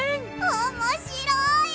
おもしろい！